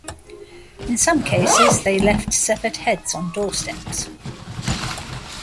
In some cases, they left severed heads on doorsteps.